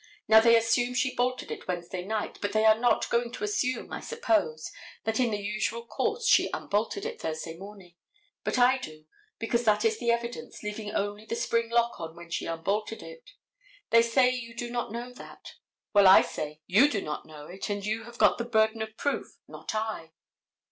Now they assume she bolted it Wednesday night, but they are not going to assume, I suppose, that in the usual course she unbolted it Thursday morning, but I do, because that is the evidence, leaving only the spring lock on when she unbolted it. They say you do not know that. Well, I say, you do not know it, and you have got the burden of proof, not I.